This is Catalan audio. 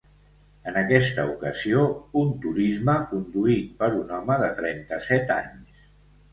En aquesta ocasió, un turisme conduït per un home, de trenta-set anys.